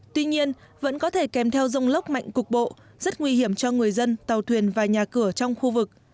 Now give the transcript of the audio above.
tuy nhiên vẫn có thể kèm theo rông lốc mạnh cục bộ rất nguy hiểm cho người dân tàu thuyền và nhà cửa trong khu vực